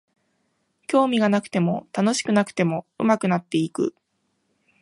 興味がなくても楽しくなくても上手くなっていく